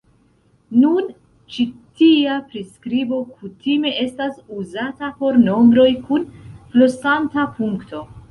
Nun ĉi tia priskribo kutime estas uzata por nombroj kun flosanta punkto.